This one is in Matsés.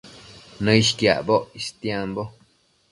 Nëishquiacboc istiambo